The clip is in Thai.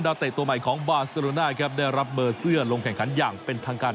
เตะตัวใหม่ของบาเซโรน่าครับได้รับเบอร์เสื้อลงแข่งขันอย่างเป็นทางการ